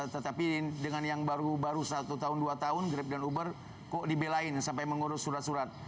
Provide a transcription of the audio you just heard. tetapi dengan yang baru baru satu tahun dua tahun grab dan uber kok dibelain sampai mengurus surat surat